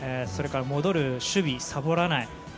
それから、戻る守備さぼらない。